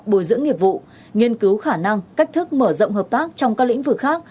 bồi dưỡng nghiệp vụ nghiên cứu khả năng cách thức mở rộng hợp tác trong các lĩnh vực khác